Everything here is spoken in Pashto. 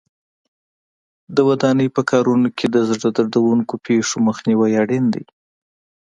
د ودانۍ په کارونو کې د زړه دردوونکو پېښو مخنیوی اړین دی.